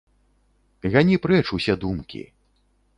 Гані прэч усе думкі.